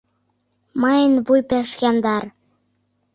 — Мыйын вуй пеш яндар.